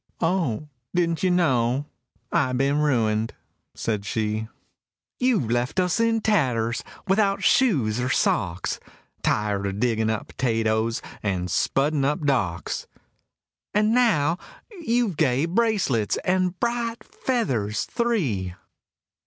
— "O didn't you know I'd been ruined?" said she. —"You left us in tatters, without shoes or socks, Tired of digging potatoes, and spudding up docks; And now you've gay bracelets and bright feathers three!"